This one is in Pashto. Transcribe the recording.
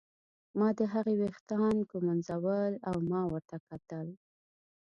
ما د هغې ویښتان ږمونځول او ما ورته کتل.